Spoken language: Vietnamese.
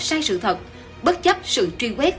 sai sự thật bất chấp sự truy quét